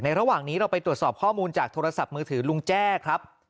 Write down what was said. ระหว่างนี้เราไปตรวจสอบข้อมูลจากโทรศัพท์มือถือลุงแจ้ครับ